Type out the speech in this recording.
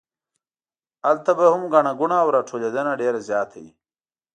هلته به هم ګڼه ګوڼه او راټولېدنه ډېره زیاته وي.